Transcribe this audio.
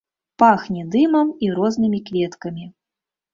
Пахне дымам і рознымі кветкамі.